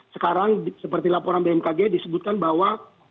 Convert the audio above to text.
sekarang seperti laporan bmkg disebutkan bahwa